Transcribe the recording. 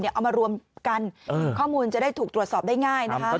เอามารวมกันข้อมูลจะได้ถูกตรวจสอบได้ง่ายนะคะ